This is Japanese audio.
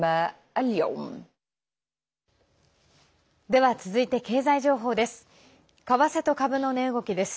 では、続いて経済情報です。